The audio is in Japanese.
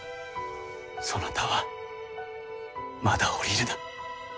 そなたはまだ降りるな。